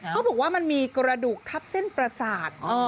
เขาบอกว่ามันมีกระดูกทับเส้นประสาท